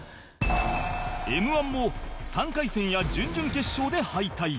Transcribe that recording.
Ｍ−１ も３回戦や準々決勝で敗退